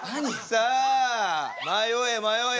さあ迷え迷え。